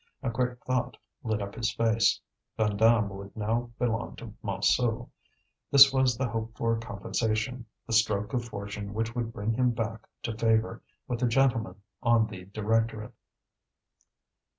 A quick thought lit up his face. Vandame would now belong to Montsou; this was the hoped for compensation, the stroke of fortune which would bring him back to favour with the gentlemen on the directorate.